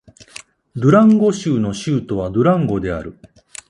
ドゥランゴ州の州都はドゥランゴである